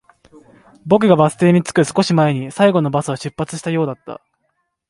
僕がバス停に着く少し前に、最後のバスは出発したようだった